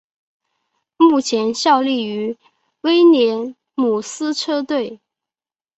目前效力于威廉姆斯车队。